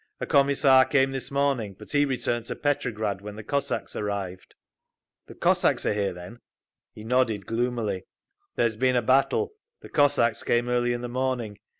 A Commissar came this morning, but he returned to Petrograd when the Cossacks arrived." "The Cossacks are here then?" He nodded, gloomily. "There has been a battle. The Cossacks came early in the morning.